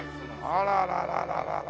あららららら。